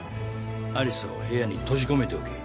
有沙を部屋に閉じ込めておけ。